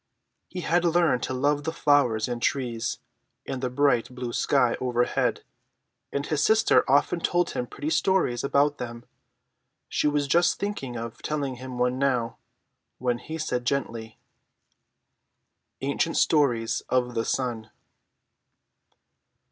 He had learned to love the flowers and trees, and the bright blue sky overhead, and his sister often told him pretty stories about them. She was just thinking of telling him one now, when he said gently: ANCIENT STORIES OF THE SUN.